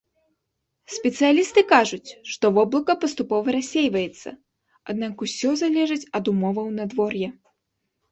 Спецыялісты кажуць, што воблака паступова рассейваецца, аднак усё залежыць ад умоваў надвор'я.